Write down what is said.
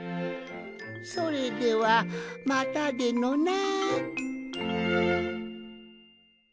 それではまたでのな。